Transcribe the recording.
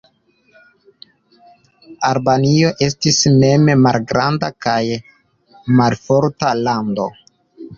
Albanio estis mem malgranda kaj malforta lando.